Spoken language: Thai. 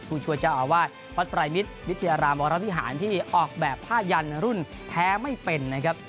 พูดชัวร์เจ้าอ่ะว่าพระฝรายมิตรวิทยาลามรมิหารที่ออกแบบผ้ายันรุ่นแพ้ไม่เป็นนะครับ